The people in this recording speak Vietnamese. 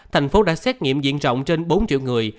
thành phố đã xét nghiệm diện rộng trên bốn triệu người